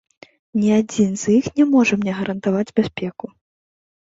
Ні адзін з іх не можа мне гарантаваць бяспеку.